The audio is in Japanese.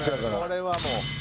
これはもう。